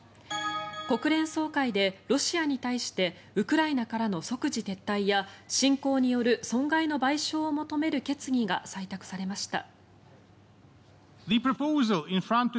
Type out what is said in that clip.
国連総会でロシアに対してウクライナからの即時撤退や侵攻による損害の賠償を求める決議が採択されました。